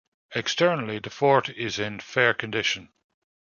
Externally the fort is in fair condition.